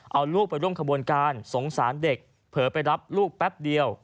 เอาลูกไปร่วมขบวนการสงสารเด็กเผลอไปรับลูกแป๊บเดียว